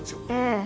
ええ。